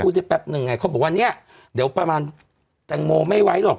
ได้แป๊บหนึ่งไงเขาบอกว่าเนี่ยเดี๋ยวประมาณแตงโมไม่ไว้หรอก